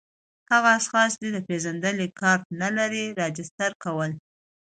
هغه اشخاص چي د پېژندني کارت نلري راجستر کول